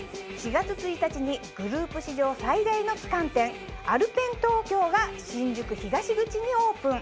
４月１日にグループ史上最大の旗艦店アルペントーキョーが新宿東口にオープン。